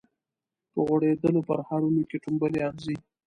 په غوړیدولو پرهرونو کي ټومبلي اغزي